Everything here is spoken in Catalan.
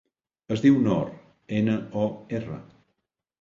Es diu Nor: ena, o, erra.